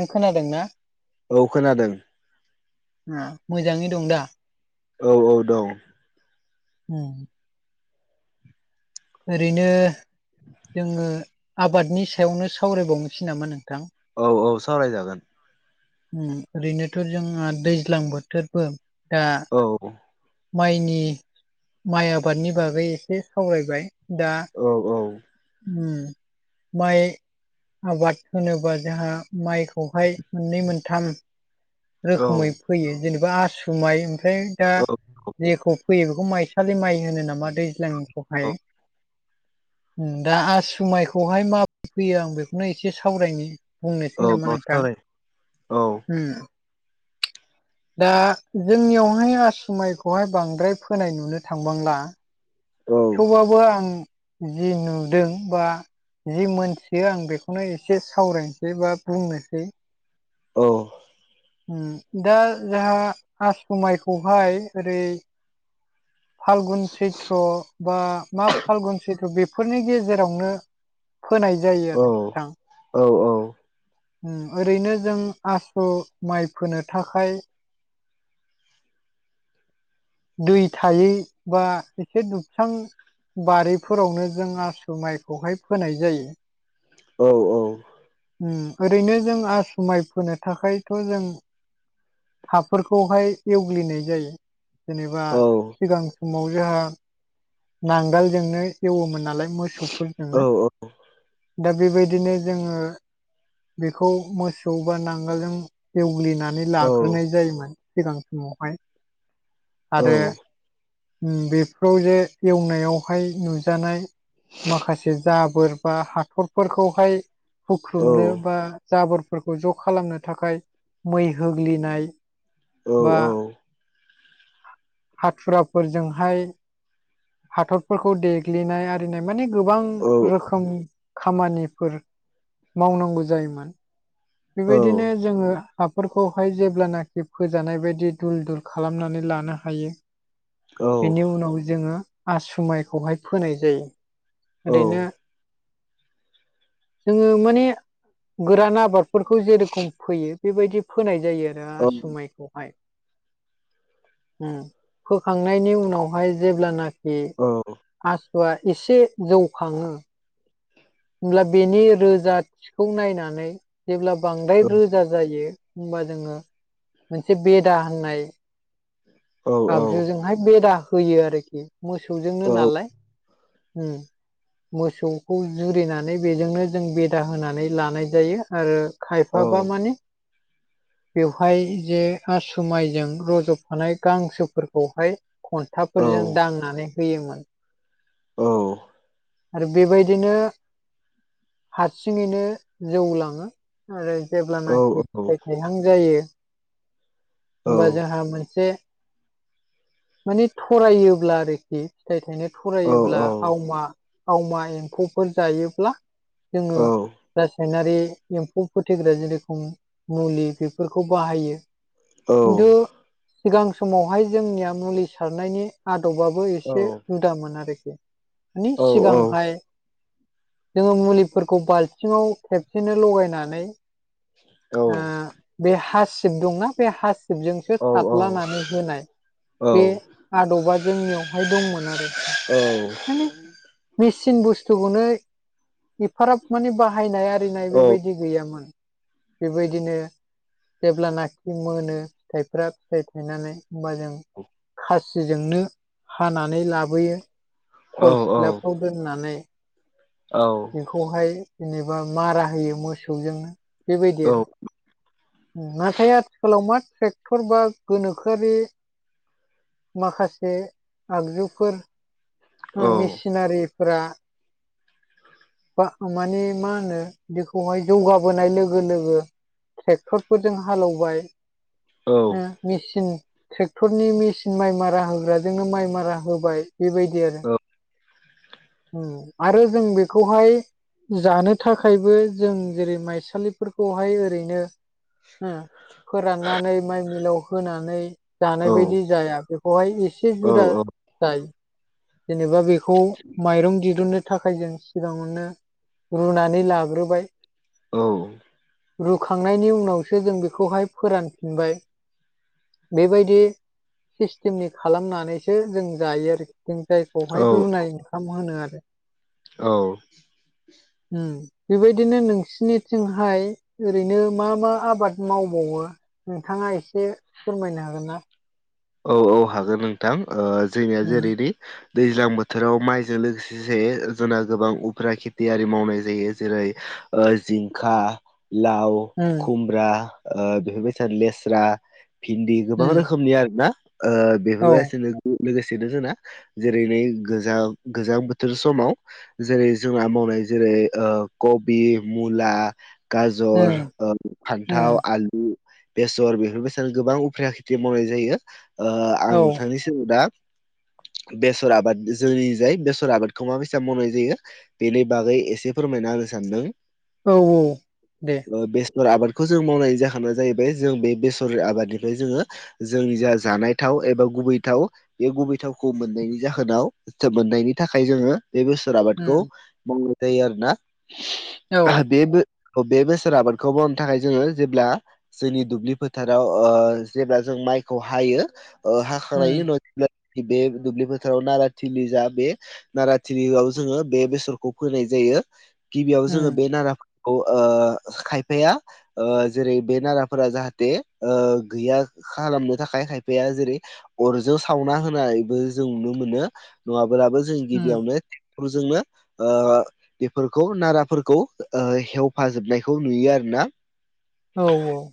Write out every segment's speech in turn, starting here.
ओं खोनादोंना औ खोनादों उम मोजाङै दंदा? औ औ दं। उम। ओरैनो जोङो आबादनि सायावनो सावरायबावनोसै नामा नोंथां? औ औ सावरायजागोन। उम ओरैनोथ' जोंहा दैज्लां बोथोरबो दा औ। माइनि माइ आबादनि बागै एसे सावरायबाय। दा औ उम माइ आबाद होनोबा जोंहा माइखौहाय मोननै मोनथाम रोखोमै फैयो जेनेबा आसु माइ ओमफ्राय दा औ जेखौ फैयो बेखौ माइसालि माइ होनो नामा दैज्लांनिखौहाय? औ उम दा आसुमाइखौहाय माब फैयो आं बेखौनो एसे सावरायनि। बुंनोसै नामा औ नोंथां? सावराय औ उम। दा जोंनियावहाय आसुमाइखौहाय बांद्राय फोनाय नुनो थांबांला औ। थेवबाबो आं जि नुदों बा जि मोनथियो आं बेखौनो एसे सावरायनोसै बा बुंनोसै। औ। उम दा जाहा आसु माइखौहाय ओरै फालगुन सैथ्र बा माग फालगुन सैथ्र बेफोरनि गेजेरावनो फोनाय औ जायो आरो थां। औ उम ओरैनो जों आसु माइ फोनो थाखाय [inaudible] दै थायै बा एसे दु सां बारिफोरावनो जों आसु माइखौहाय फोनाय जायो‌। औ औ उम ओरैनो जों आसुमाइ फोनो थाखायथ' जों हाफोरखौहाय एवग्लिनाय जायो जेनेबा औ सिगां समाव जोंहा नांगोलजोंनो एवोमोन नालाय मोसौफोरजोंनो। दा बेबायदिनो जोङो बेखौ मोसौ बा नांगोलजों एवग्लिनानै औ लाग्रोनाय जायोमोन सिगां समावहाय। आरो उम बेफोराव जे एवनायावहाय नुजानाय माखासे जाबोर बा हाथ'रफोरखौहाय हुख्रुबनो बा जाबोरफोरखौ ज' खालामनो थाखाय मै होग्लिनाय बा हाथुराफोरजोंहाय हाथरफोरखौ दे ग्लिनाय आरिनाय माने गोबां रोखोम खामानिफोर मावनांगौ जायोमोन बेबायदिनो जोंङो हाफोरखौहाय जेब्लानाखि फोजानाय बायदि दुल दुल खालामनानै लानो हायो। बेनि उनाव जोंङो आसु माइखौहाय फोनाय जायो। ओरैनो जोंङो माने गोरान आबादफोरखौ जे रोखोम फोयो बेबायदि फोनाय जायो आरो आसु माइखौहाय। उम फोखांनायनि उनावहाय जेब्लानाखि आसुआ एसे जौखांङो होमब्ला बेनि रोजाथिखौ नायनानै जेब्ला बांद्राय रोजा जायो होमबा जोंङो मोनसे बेदा होननाय आगजुजोंहाय बेदा होयो आरोखि मोसौजोंनो नालाय उम। मोसौखौ जुरिनानै बेजोंनो जों बेदा होनानै लानाय जायो। आरो खायफाबा माने बेवहाय जे आसु माइजों रज'फानाय गांसोफोरखौहाय खन्थाफोरजों दांनानै होयोमोन। औ आरो बेबायदिनो हारसिङैनो जौ लाङो। ओरै जेब्लानाखि फिथाइ थाइहां जायो होमबा जोंहा मोनसे माने थरायोब्ला आरोखि फिथाइ थाइनो थरायोब्ला आवमा आवमा एम्फौफोर जायोब्ला जोंङो रासायनारि एम्फौ फोथैग्रा जिरोखोम मुलि बेफोरखौ बाहायो। खिन्थु औ सिगां समावहाय जोंनिया मुलि सारनायनि आदबाबो औ एसे औ जुदामोन आरोखि। नि औ सिगांहाय जोंङो मुलिफोरखौ बाल्थिङाव खेबसेनो लगायनानै औ ओ बे हासिब दंना बे हासिबजोंसो औ साब लानानै होनाय औ बे आदबा जोंनियावहाय दंमोन आरोखि। औ मिचिन बुस्थुखौनो एफाराब माने बाहायनाय आरिनाय बेबायदि गैयामोन बेबायदिनो जेब्लानाखि मोनो फिथाइफ्रा फिथाइ थायनानै होमबा जों खासिजोंनो हानानै लाबोयो। खल सिथ्लाफ्राव दोननानै औ बेखौहाय जेनेबा मा राहायो मोसौजोंनो बेबायदि आरो। उम नाथाय आथिखालाव मा ट्रेक्टर बा गोनोखोआरि माखासे आगजुफोर उम मिसिनारिफोरा बा माने मा होनो बेखौहाय जौगाबोनाय लोगो लोगो ट्रेक्टरफोरजों हालौवबाय मेसिन ट्रेक्टरनि मेसिन माइ मारा होग्राजोंनो माइ मारा होबाय बेबायदि आरो। औ उम आरो जों बेखौहाय जानो थाखायबो जों जेरै माइसालिफोरखौहाय ओरैनो उम फोराननानै माइ मिलाव होनानै जानाय बायदि जाया बेखौहाय एसे जुदा जाय जेनेबा बेखौ माइरं दिरुननो थाखाय जों सिगाङावनो रुनानै लाग्रोबाय। औ रुखांनायनि उनावसो जों बेखौहाय फोरानफिनबाय बेबायदि सिस्टेमनि खालामनानैसो जों जायो आरो जों जायखौहाय औ रुनाय ओंखाम होनो आरो। औ उम बेबायदिनो नोंसिनिथिंहाय ओरैनो मा मा आबाद मावबावो? नोंथाङा एसे फोरमायनो हागोन ना? औ औ हागोन नोंथां ओ जोंनिया उम जेरैदि दैज्लां बोथोराव माइजों लोगोसेस जोंना गोबां उफ्रा खेथि आरि मावनाय जायो जेरै ओ जिंखा लाव उम खुमब्रा ओ बेफोरबायदिनो लेस्रा भिन्दि गोबां उम रोखोमनि आरो ना। ओ औ बेफोरबायसिनो गु लोगोसेनो जोंना जेरैनो गोजां-गोजां बोथोर समाव जेरै जोंहा मावनाय जेरै ओ कबि मुला गाजर उम ओ फान्थाव उम आलु उम बेसर बेफोरबायसां गोबां उफ्राया खेथि मावनाय जायो ओ आं औ नोंथांनि जों दा बेसर आबाद जोंनि जाय बेसर आबादखौ माबायसा मावनाय जायो बेनि बागै एसे फोरमायना होनो सानदों औ दे ओ बे सर आबादखौ जों मावनाय जाहोना जाहैबाय जों बे बेसर आबादनिफ्राय जोङो जोंनि जा जानाय थाव एबा गुबै थाव बे गुबै थावखौ मोननायनि जाहोनाव जो मोननायनि थाखाय जोङो बे बेसर आबादखौ उम मावनाय जायो आरोना औ बे बो बे बेसर आबादखौ मावनो थाखाय जोङो जेब्ला जोंनि दुब्लि फोथाराव ओ जेब्ला जों माइखौ हायो ओ हाखांनायनि उम उनाव बे दुब्लि फोथाराव नाराथिलि जा बे नारााथिलिआव जोङो बे बेसरखौ फोनाय जायो गिबियाव जोङो उम बे नारा खौ ओ खायफाया ओ जेरै बे नाराफोरा जाहाथे ओ गैया खालामनो थाखाय खायफाया जेरै अरजों सावना होनायबो जों नुनो मोनो नङाब्लाबो जों उम गिबियावनो ट्रेक्टजोंनो ओ बेफोरखौ नाराफोरखौ ओ हेवफाजोबनायखौ नुयो आरो ना। औ औ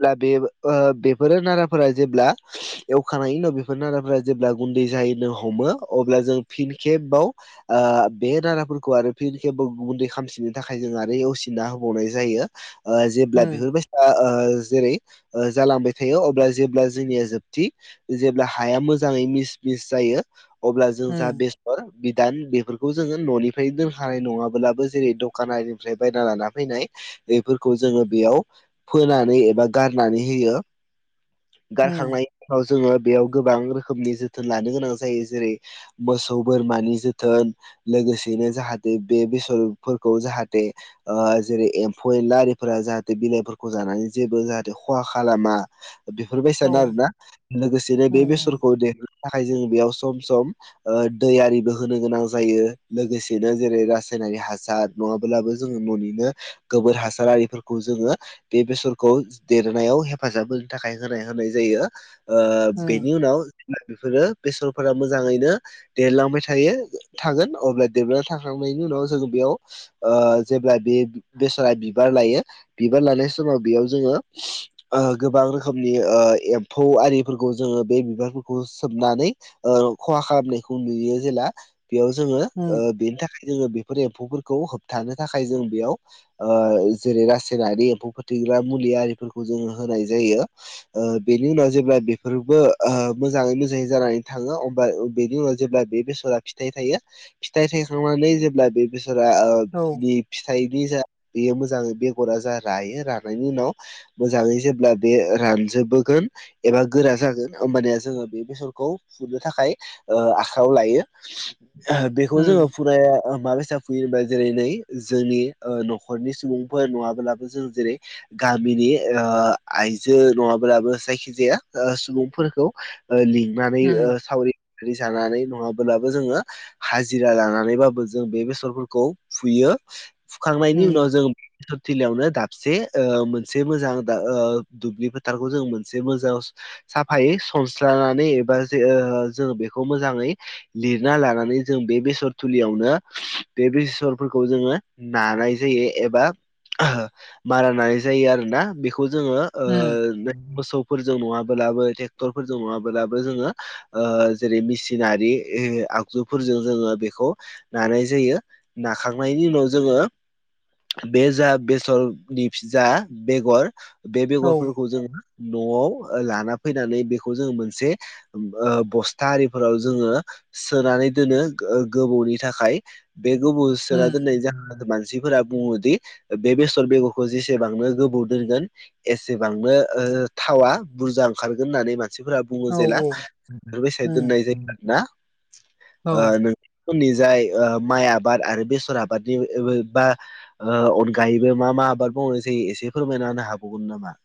ब्ला बे ओ बेफोरो नाराफोरा जेब्ला एवखांनायनायनि उनाव बेफोर नारदाफोरा जेब्ला गुन्दै जाहैनो हमो अब्ला जों फिन खेबाव ओ बे नाराफोरखौ आरो फिन खेबो गुन्दै खामसिननो थाखाय जों आरो असिना होबावनाय जायो। ओ जेब्ला उम बेफोर बायदि ओ जेरै ओ जालांबाय थायो अब्ला जेब्ला जोंनिया जोबथि जेब्ला हाया मोजाङै मिस मिस जायो। अब्ला जों जा उम बेसाद फोर बिदान बेफोरखौ जोङो न'निफ्राय दोनखानाय नङाब्लाबो जेरै दखानारिनिफ्राय बायना लाना फैनाय बेफोरखौ जोङो बेयाव फोनानै एबा गारनानै होयो उम गारनांनायनि उनाव जोङो बेयाव गोबां रोखोमनि जोथोन लानो गोनां जायो जेरै मोसौ बोरमानि जोथोन लोगोसेनो जाहाथे बे बेसरफोरखौ जाहाथे ओ जेरै एम्फौ एनलारिफोरा जाहाथे बिलाइफोरखौ जानानै जेबो जाहाथे खहा खालामा। बेफोरबायदि औ सानो आरोना लोगोसेनो बे उम बेसरखौ देरहनो थाखाय जों बेयाव सम सम ओ दै आरिबो होनो गोनां जायो लोगोसेनो जेरै रासायनारि हासार नङाब्लाबो जोङो न'निनो गोबोर हासाररिफोरखौ जोङो बे बेसरखौ देरनायाव हेफाजाब होनो थाखाय होनाय होनाय जायो ओ उम बेनि उनाव बेफोरो बेसरफोरा मोजाङैनो देरलांबाय थायो थागोन अब्ला देरनानै थाखांनायनि उनाव जोङो बेयाव ओ जेब्ला बे बेसरा बिबार लायो बिबार लानाय समाव बेयाव जोङो ओ गोबां रोखोमनि ओ एम्फौ आरिफोरखौ जोङो बे बिबारफोरखौ सोमनानै ओ खहा खालामनायखौ नुयो जेला बेयाव जोङो ओ उम बेनि थाखाय जोङो बेफोर एम्फौफोरखौ होबथानो थाखाय जों बेयाव ओ जेरै रासायनारि एम्फौ फोथैग्रा मुलि आरिफोरखौ जोङो होनाय जायो। ओ बेनि उनाव जेब्ला बेफोरबो ओ मोजाङै मोजाङै जानानै थाङो अब्ला बेनि उनाव जेब्ला बे बेसरा फिथाइ थायो फिथाइ थायखांनानै जेब्ला बे बेसरा ओ औ नि फिथाइनि जा बेयो मोजाङ बेगरा जा रायो रानायनि उनाव मोजाङै जेब्ला बे रानजोबबोगोन एबा गोरा जागोन होमबानया जोङो बे बेसरखौ फुनो थाखाय ओ आखायाव लायो ओह बेखौ जोङो उम फुरा माबायसा फुयोबा जेरै नै जोंनि ओ न'खरनि सुबुंफोर नङाब्लाबो जों जेरै गामिनि ओ आय जो नङाब्लाबो जायखिजाया ओ सुबुंफोरखौ लिंनानै उम ओ सावरि रि जानानै नङाबोलाबो जोङो हाजिरा लानानैबाबो जों बे बेसरफोरखौ फुयो। उम फुखांनायनि उनाव जों बेसर थिलियावनो दाबसे ओ मोनसे मोजां ओ दुब्लि फोथारखौ जों मोनसे मोजां साफायै सनस्लनानै एबा जे ओ जों बेखौ मोजाङै लिरना लानानै जों बे बेसर थुलियावनो बे बेसरफोरखौ जोङो नानाय जायो एबा आह मारा नानाय जायो आरोना बेखौ जोङो ओ उम मोसौफोरजों नङाब्लाबो ट्रेक्टरफोरजों नङाबोलाबो जोङो ओ जेरै मेसिनारि आगजुफोरजों जोङो बेखौ नानाय जायो नाखांनायनि उनाव जोङो बे जा बेसरनि जा बेगर बे औ बेगरफोरखौ जोङो न'आव ओ लाना फैनानै बेखौ जोङो मोनसे ओ बस्था आरिफोराव जोङो सोनानै दोनो गो-गोबौनि थाखाय बे गोबौ सोना उम दोननाय जाहोना जादों मानसि मानसिफोरा बुङोदि बे बेसर बेगरखौ जेसेबांनो गोबाव दोनगोन एसेबांनो ओ थावा बुरजा ओंखारगोन होननानै मानसिफोरा बुङो औ जेला जोंस उम दोननाय जायो आरो ना औ ओ नों निजाय माइ आबाद आरो बेसर आबादनि ओ ओ बा ओ अनगायैबो मा मा आबाद मावनाय जायो एसे फोरमायना होनो हाबावगोन नामा?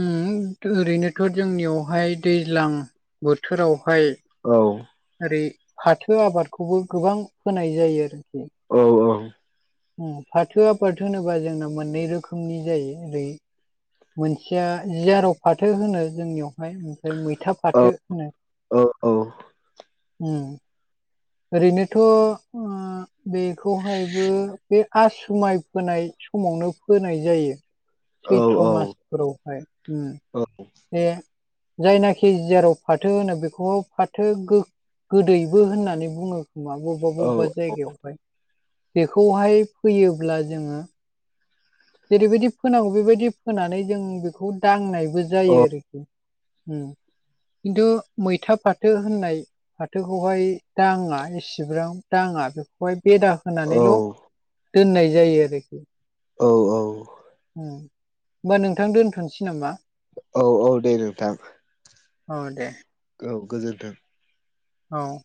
उम ओरैनोथ' जोंनियावहाय दैज्लां बोथोरावहाय औ ओरै फाथो आबादखौबो गोबां फोनाय जायो आरोखि। औ औ उम फाथोआ फाथो होनोबा जोंना मोननै रोखोमनि जायो ओरै मोनसेया जियाराव फाथो होनो जोंनियावहाय। ओफाय मैथा औ फाथो होनो औ औ उम। ओरैनोथ' ओ बेखौहायबो बे आसुमाइ फोनाय समावनो फोनाय जायो। औ सैथ्र' मासफोरावहाय उम औ बे जायनाखि जियाराव फाथो होनो बेखौ फाथो गो-गोदैबो होननानै बुङो खोमा बबेबा औ बबेबा जायगायावहाय बेखौहाय फैयोब्ला जोङो जेरैबायदि फोनांगौ बेबायदि फोनानै जों बेखौ दांनायबो जायो औ आरोखि खिन्थु मैथा फाथो होननाय फाथोखौहाय दाङा इसेबां दाङा बेखौहाय बेदा होनानैल' दोननाय जायो आरोखि। औ औ उम ओमबा नोंथां दोनथ'नोसै नामा? औ औ दे नोंथां। औ दे औ गोजोन्थों। औ